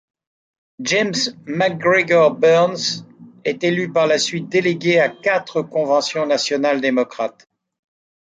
James MacGregor Burns est élu par la suite délégué à quatre Convention nationale démocrate.